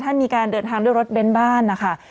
มีการเดินทางด้วยรถเบ้นบ้านนะคะ